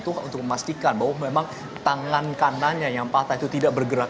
itu untuk memastikan bahwa memang tangan kanannya yang patah itu tidak berada di atas